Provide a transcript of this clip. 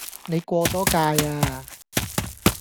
你過左界呀